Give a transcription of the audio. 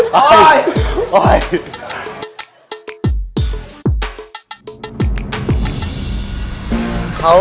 ไปปล่อยปล่อย